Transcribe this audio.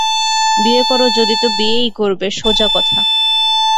বিয়ে কর যদি তো বিয়েই করবে, সোজা কথা।